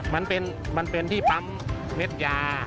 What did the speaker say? มันเป็นที่ปั๊มเม็ดยา